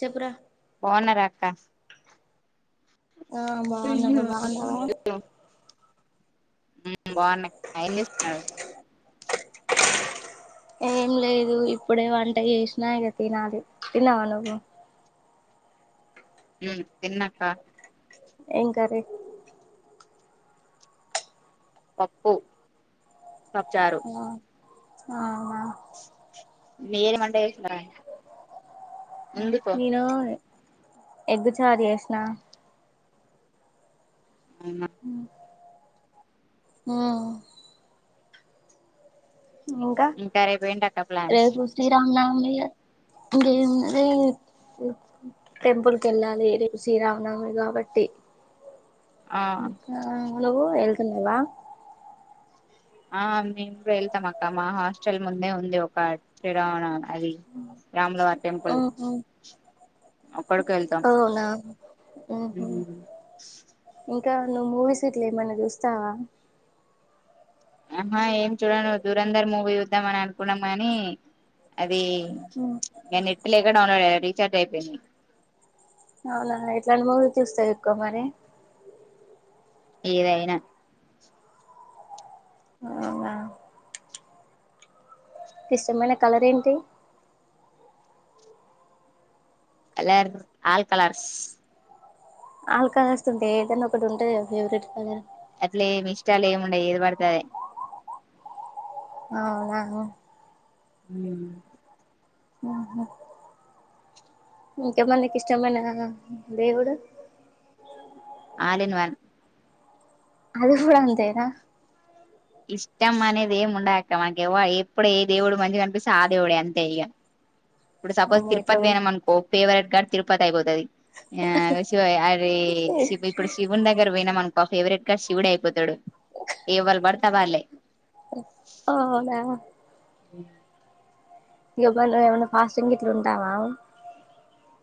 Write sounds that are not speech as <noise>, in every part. చెప్పురా పోన రా ఆ ఆ బాగున్నాను నువ్వు బాగున్నావా? హు బాగున్నా ఎం చేస్తున్నారు? ఏం లేదు ఇప్పుడే వంట చేసినా. ఇక తినాలి తిన్నవా నువ్వు. ఉ తిన్నక్క ఏం కర్రి పప్పు పప్పుచారు ఆ <unintelligible> మీరు మదేశీ నేనుయి ఎగ్గు చారు చేసిన అవునా హ్మ్ ఇంకా రేపు ఏంటక్క ప్లాన్స్ రేపు శ్రీరామనవమి ఇంకేది టెంపుల్ క వెళ్ళాలి రేపో శ్రీరామనమి కాబట్టి. ఆ ఇంకా ఎ ఎల్లవ ఆ మేము వెళ్తాం అక్క మా హాస్టల్ ముందే ఉంది ఒక శ్రీరామనవ రాములవారిది. టెంపుల్ ఆహా అక్కడికి వెళతాం. అవునా హు ఉహు ఇంకా నువ్వు మూవీస్ ఇట్లా ఏమన్నా చూస్తావా. ఆహా ఏం చూడను దూరంధర్ మూవీ చూద్దాం అని అనుకున్నాం. కాని అది ఉమ్ ది ఇ నెట్ లేక డౌన్లోడ్ రీచార్జ్ అయిపోయింది. అవునా ఎట్లాంటి మువి చూస్తారు, ఎక్కువ మరి. ఏవయినా అవునా ఇష్టమైన కలర్ ఏంటి colour all colours all colours ఉంటాయి ఏదైనా ఒకటి ఉంటుద కదా ఫేవరెట్ కలర్ అట్లే ఏమి ఇష్టాలు ఏముండయి ఏది పడితే అదే ఆ అవునా హ్మ్ హమ్ హ ఇంకామందికి ఇష్టమైన దేవుడు ఆలిన్ వన్ అది కూడా అంతేనా ఇష్టం అనేది ఏం ఉండదక్క మనకివ ఎప్పుడు ఏ దేవుడు మంచిగా కనిపిస్తే ఆ దేవుడే అంతే ఇక ఇప్పుడు సపోజ్ అమ్మో ఇట్లా తిరుపతి పోయినము అనుకో ఫేవరెట్ గగాడ్ తిరుపతి అయిపోతుది ఆి ఇప్పుడు శివుని దగ్గర పోయినాం అనుకో మా ఫేవరెట్ గా శివుడు అయిపోతాడు ఎవరు పడతా వాళ్ళలే అ అవునా <inaudible> ఎవరు ఫాస్టింగ్ ఇట్లా ఉంటావా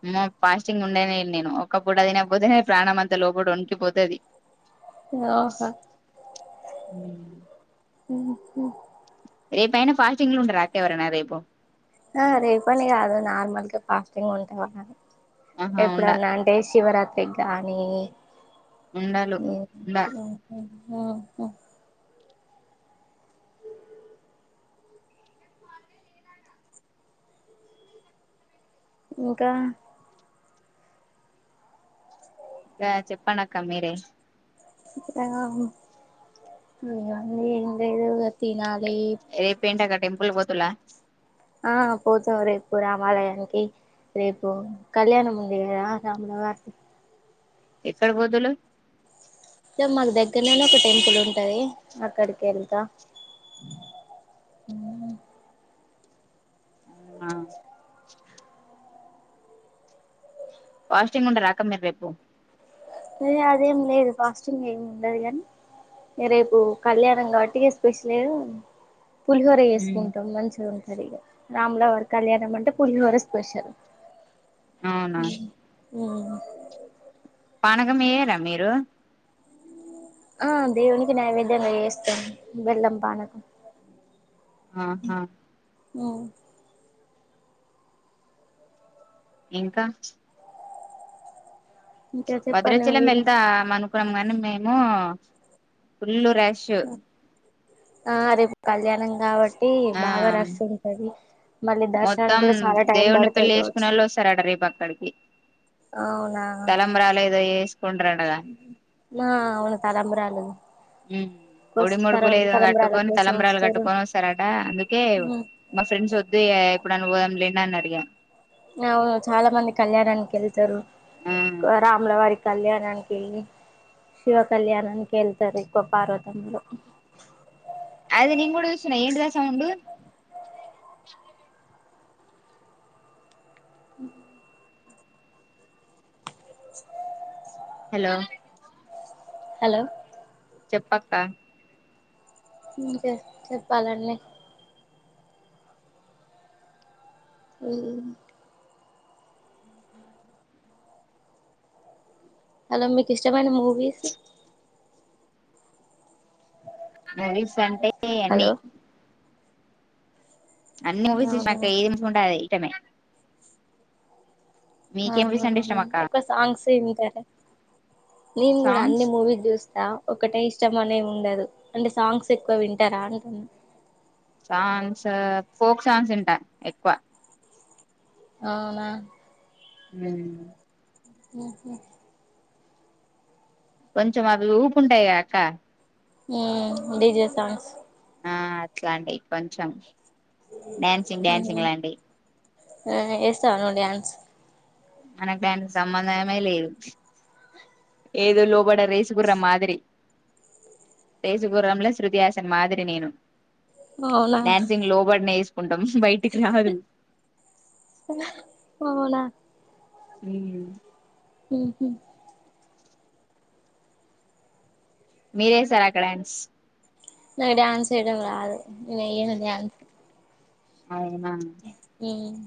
నేనా ఫాస్టింగ్ ఉండేనేడి నేను ఒకప్పుడు అదికపోతే ప్రాణం అంతా లోపత వనకిపోతుంది ఆ తా ఉ ఉహ్ రేపు ఐనా ఫాస్టింగ్ లు ఉండర అండి ఎవరైనా రేపు ఆ రేపని కాదు నార్మల్ గా ఫాస్టింగ్ ఉంటావా అని ఆహా ఉండ ఎప్పుడన్నా అంటే శివరాత్రి ఏ కానీ ఉండాలు ఉండ ఊ ఓహ ఒక ఆ చెప్పండి అక్క మీరే ఆ అవును ఇగ అన్ని ఎదో ఒకటి తినాలి రేపేంటీ అక్క టెంపుల్ పోతుల్లా ఆ పోతాం రేపు రామాలయానికి రేపు కళ్యాణం ఉంది కదా రామల వారిది ఎక్కడ పోతుళ్లు ఇక్కడ మాకు దగ్గర లోనే ఒక టెంపుల్ ఉంటది అక్కడికి వెళ్తా ఆ ఫాస్టింగ్ ఉంటారా అక్క మీరు రేపు ఏ అదేం లేదు ఫాస్టింగ్ ఏం ఉండను కానీ రేపు కళ్యాణం కాబట్టి స్పెషల్ లేదు పులిహోర చేసుకుంటాం మంచిగా ఉంటది రాముల వారి కళ్యాణం అంటే పులిహోర స్పెషల్ అవునా ఉ ఊ పానకం వేయరా మీరు ఆ దేవుని కి నైవేద్యం గా చేస్తాం బెల్లం పానకం ఆహా ఉ ఇంకా ఇంకా చెప్పండి భద్రాచలం మీరు వేల్దా మన కాని మేము పుల్లూరు క్రెష్ ఆ రేపు కళ్యాణం కావ ట్టి ఆ బాగా రష్ ఉంటది మళ్ళీ దర్శనానికి మొత్తం కూడా చాలా టైం దేవుని పెళ్లి పడుతుందివచ్చు చేసుకున్నోళ్ళు వస్తారట రేపు అక్కడికి అవునా తలంబ్రాలు ఏదో చేసుకుంటారటగా నా అ వును తలంబ్రాలు మ్ కోస్ ఒడి ముడుపు తరం లేదో తలంబ్రాల కట్టుకొని కోసం తలంబరాలు వస్తారు కట్టుకొని వస్తారట, అందుకే మా ఫ్రెండ్స్ వద్దు ఎప్పుడు పోదం లే అని అడిగా అవును చాలా మంది కళ్యాణానికివెళ్ ఇద్దరు ఆ రాములవారి కళ్యాణానికి శివ కళ్యాణానికి వెళ్తారు ఇక్కువ పార్వతముంలో అది నేను కూడా చూస్తున్నా ఏంటిదా సౌండ్ హలో హలో చెప్పక్క ఇంకే చెప్పాలండి ఉ హలో మీకు ఇష్టమైన మూవీస్ మూవీస్ అంటే ఏ హలో అన్ని అన్ని మూవీస్ అవునా అక్క ఏది నిమిం ఉంటాది తమే అంటే ఇష్టం అక్క ఎక్కువ సాంగ్స్ <unintelligible> వింటారా నేన్ కూడా సాంగ్స్ అన్ని మూవీ చూస్తా ఒకటే ఇష్టం అనే ఉండదు అంటే సాంగ్స్ ఎక్కువ వింటారా అంటున్నా సాంగ్స్ ఫోక్ సాంగ్స్ వింటా ఎక్కువ అవునా ఉ ఉ కొంచెం అవి ఊపుంటాయి కాక మ్ డిజె సాంగ్స్ ఆ అట్లా అండి కొంచెం డ్యాన్సింగ్ డ్యాన్సింగ్ లాంటివి ఏస్తను ్యాన్స్ మనకు దనికి సంబంధమే లేదు ఏదో లోబడ రేసుగుర్రం మాదిరి రేసుగుర్రంంలో శృతి హసన్ మాదిరి నేను అవునా డ్యాన్సింగ్ లోబడ్ నస్ ఇ బయటికి రాదు అవునా అ హ మీరేసారు అక్కడ ండ్స్ నా డాన్స్డం అ న డాన్స్ అవునా తన్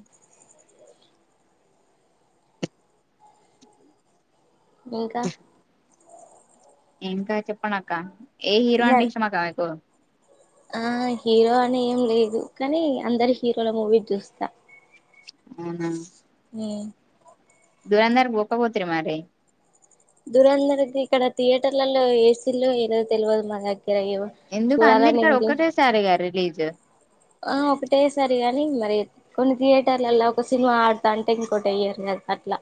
ఇంకా ఏంకా చెప్పన్నాక్క ఏ హీరో అంటే తిన్నారు ఇష్టమా కాకో ఆ హీరో అని ఏం లేదు కానీ అందరు హీరోల మూవీ చూస్తా ఆ అ దురంధర్కి పోక పోతుీ మరి దురంర్ ఇక్కడ థియేటర్ల ఏసిల్లు ఏ తెలివదు మనగ ఎందుకు అన్నిటికడ ఒక్కటేసారి గారు ప్లీజ ఆ ఒకటే సరి ని మరి కొన్ని థియేటర్లలా ఒక సినిమా ఆడుతా అంటే ఇంకోొటి అయ్యారు కదా అట్లా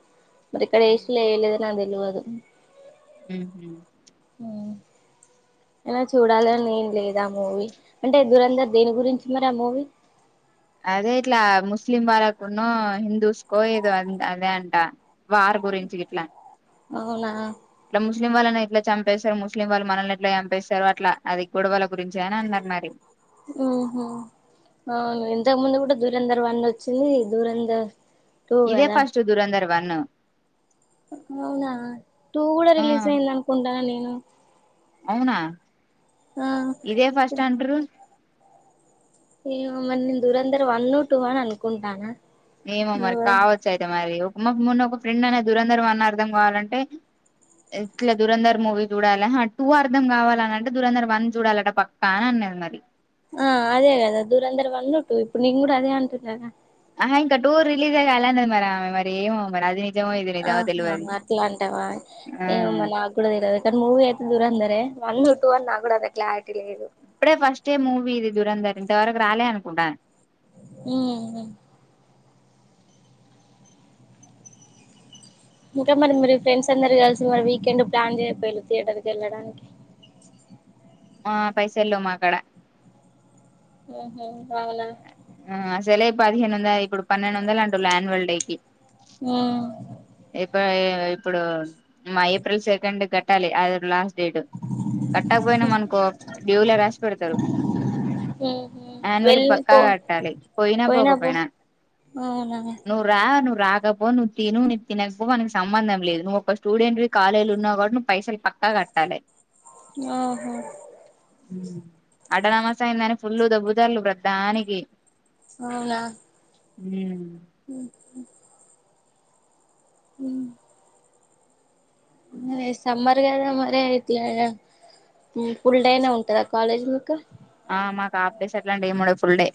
మరి ఇక్కడ వేస్లే వయలేదని నా తెలియదు హ అనా చూడాలని ఏం లేదు ఆ మూవీ అంటే ఎదురందరు దేని గురించి మరి ఆ మూవీ అదే ఇట్లా ముస్లిం వాళ్ళకునో హిందూస్కో ఏదో అదే అంట వారు గురించి ఇట్లా అవునా ఇట్లా ముస్లిం వాళ్ళని ఎట్లా చంపేస్తారు ముస్లిం వాళ్ళు మనల్ని ఎట్లా చంపస్తారు అట్ అది గూడ వాళ్ళకి ఉ అవును ఎంతకు ముందు ఇప్పు దూరంధర్ వన్ వచ్చింది దూరంధర్ ఇదే ఫస్ట్ దురంధరం వన్న అవునా టూ కూడా ఆ రిలీజ్ అయింది అనుకుంటా నను అ అవునా ఇదే ఫస్ట్ స్టాండర్ ఏ మరి నేను దూరంందరూ వన్ ను టూ అని అనుకుంటాను ఏమో మరి కావచ్చు అయితే మరి అమ మొన్న ఒక ఫ్రెండ్ అనే దురంధర్ వన్ అర్థం కావాలంటే ఇట్లా దూరంధర్ మూవీ చూడాలి టూ అర్ధం కావాలని అంటే దూరంధర్ వన్ చూడాలట పక్కా అని అనేది మరి ఆ అదే కదా దూరందర వందంటటు ఇప్పుడు నిం కూడా అదే అంటున్నదా ఆహా ఇంకా టూ రిలీజ్ కాలేదు మేడం మరి ఏమో అది నిజమో ఇది నిజమో ఆహా తెలవది అట్లా అంటవా ఆ ఏమో మా నాగూడ తెల్వదు కానీ మూవీ అయితే దూరందరె వన్ టూ నా గుడా అంత క్లారిటీ లేదు ఇప్పుడే ఫస్ట్ డే మూవీ ఇది దురంధర్ ఇంతవరకు రాలే అనుకుంటా హుమ్ ఇంకా మరి మరి ఫ్రెండ్స్ అందరు కలిసి మరి వీకెండ్ ప్లాన్ చేయపోలే థియేటర్కి ఎళ్ళడానికి ఆ పైసలేవ్ మాకడ ఆహ ఆ ఆసలే పదిహేను వంద ఇపుడు పన్నెండు వందల అంట ఆన్వల్ డేకి ఉమ్ ఇప్ ఆ ఇప్పుడు మా ఏప్రిల్ సెకండ్ కట్టాలి అది లాస్ట్ డేట్ కట్టకపోయినా మనుకో డ్యూ లో రాసి పెడతారు ఉహు ఆన్వల్ అ వెళ్ళి పో కట్టాలి పోయినా పోకపోయినా అవునా ను రా నువ్వు రాకపో నువ్వు తిను నువ్వు తినకపో మనకి సంబంధం లేదు నువ్వు ఒక స్టూడెంట్ కాలేజీలు ఉన్నావు కూడా నువ్వు పైసలు పక్కా కట్టాలి ఆహా ఆటనమస్ అయిందని ఫుల్ ఫుల్లు దొబ్బుతల్లు దానికి అవునా హుమ్ అ హుమ్ మరి సమ్మర్ కదా మరి అయితే ఫుల్ డేనే ఉంటదా కాలేజ్ మీకు ఆ మాకు హాఫ్ డేస్ అట్లాంటివ్ ఏం ఉండవ్ ఫుల్ డే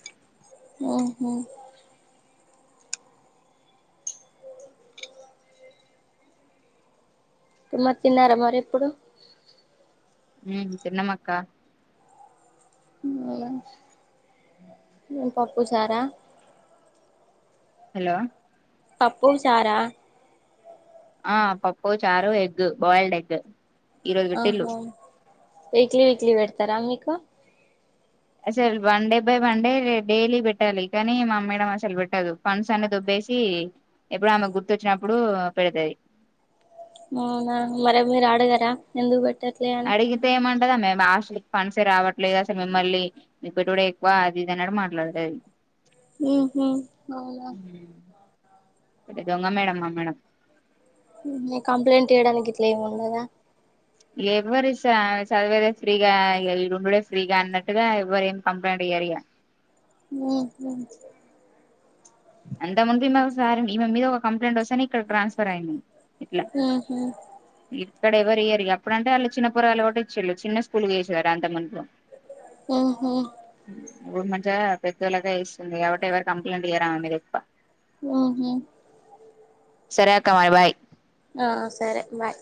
ఓహో మరి తిన్నరా మరి ఇప్పుడు ఉ తిన్నమక్కా ఉ పప్పు చారా హలో పప్పు చారా ఆ పప్పు చారు ఎగ్ బాయిల్డ్ ఎగ్ ఈ రోజు ఆహ పెట్టిల్లు వీక్లీ వీక్లి పెడతారా మీకు అసలు one day by one day daily పెట్టాలి కానీ మా మేడం అసలు పెట్టదు ఫండ్స్ అన్ని దోబ్బేసి ఎప్పుడు ఆమె గుర్తొచ్చినప్పుడు పెడతది అవునా మరి మీరు ఆడగరా ఎందుకు పెట్ అడిగితే ఏమన్ దా మే హాస్టల్ ఫండ్స్ రావట్లేదు అస మిమ్మల్ని పెట్టుడే ఎక్కువ అది ఇది అన్నట్టు మాట్లాడతది ఉ హూ అవున దొంగ మేడం మా మేడం కంప్లైంట్ చేయడానికి ఇట్లా ఏమి ఉండదా ఎవ్వరు స చదివేదే ఫ్రీగా ఇ ఈ ఉండుడే ఫ్రీగా అన్నట్టుగా ఎవ్వరు ఏం కంప్లైంట్ ఇయ్యారు ఇగ హుమ్ సార్ ఈమె మీద ఒక కంప్లైన్ వస్ ని ఇక్కడ ట్రాన్స్ఫర్ అయింది ఇట్లా ఉహు ఇక్కడ ఎవరు వయ్యారు అప్పుడ అంటే వాళ్ళ చిన్న పొరగాలు కూడా ఇచ్చేళ్ళు చిన్న స్కూల్కి వసారు అంత ముందుకు ఆఓహ ఇప్పుడు మంచి్య పెద్దోళ్ళగా ఇస్తుంది కాబట్టి ఎవరు కంప్లైంట్ చేయారమా మీ ఆ ఆఓహ సరే కమార్ బాయ్ ఆ సరే బాయ్